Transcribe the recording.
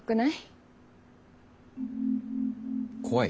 怖い？